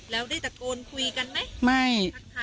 แล้วได้ตะโกนคุยกันไหมไม่